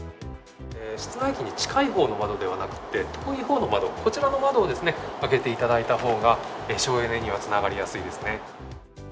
室内機に近いほうの窓ではなくて、遠いほうの窓、こちらの窓を開けていただいたほうが省エネにはつながりやすいですね。